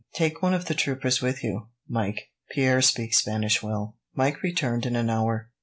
"Take one of the troopers with you, Mike. Pierre speaks Spanish well." Mike returned in an hour.